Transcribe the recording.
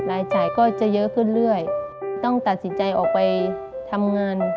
รายจ่ายก็จะเยอะขึ้นเรื่อยต้องตัดสินใจออกไปทำงาน